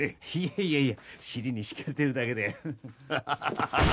いやいや尻に敷かれてるだけで。